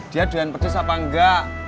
dia dengan pedes apa nggak